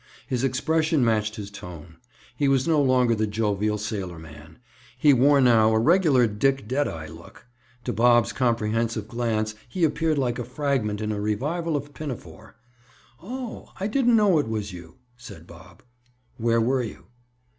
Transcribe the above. His expression matched his tone. He was no longer the jovial sailorman; he wore now a regular Dick Deadeye look. To Bob's comprehensive glance he appeared like a fragment in a revival of Pinafore. "Oh, I didn't know it was you," said Bob. "Where were you?"